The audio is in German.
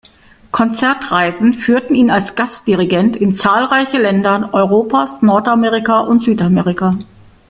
Konzertreisen führten ihn als Gastdirigent in zahlreiche Länder Europas, Nordamerika und Südamerika.